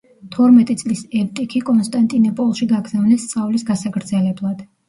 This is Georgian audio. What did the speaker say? თორმეტი წლის ევტიქი კონსტანტინეპოლში გააგზავნეს სწავლის გასაგრძელებლად.